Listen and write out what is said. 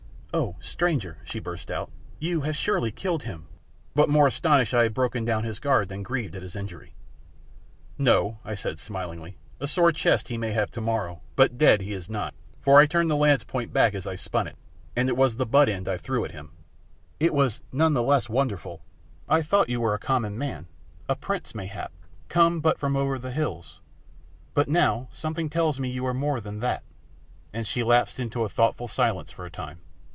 "Oh, stranger," she burst out, "you have surely killed him!" but more astounded I had broken down his guard than grieved at his injury. "No," I answered smilingly; "a sore chest he may have tomorrow, but dead he is not, for I turned the lance point back as I spun it, and it was the butt end I threw at him!" "It was none the less wonderful; I thought you were a common man, a prince mayhap, come but from over the hills, but now something tells me you are more than that," and she lapsed into thoughtful silence for a time.